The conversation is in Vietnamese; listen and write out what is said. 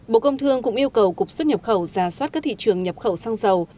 bộ công thương cũng yêu cầu cục xuất nhập khẩu ra soát các thị trường nhập khẩu xăng dầu